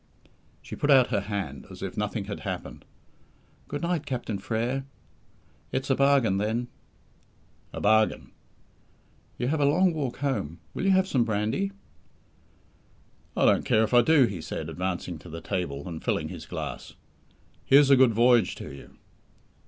She put out her hand, as if nothing had happened. "Good night, Captain Frere. It's a bargain, then?" "A bargain." "You have a long walk home. Will you have some brandy?" "I don't care if I do," he said, advancing to the table, and filling his glass. "Here's a good voyage to you!"